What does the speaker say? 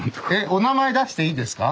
お名前出していいですか？